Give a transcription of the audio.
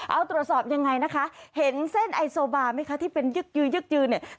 เอาตรวจสอบยังไงนะคะเห็นเส้นไอโซบาไหมคะที่เป็นยึกยืนยึกยืนเนี่ย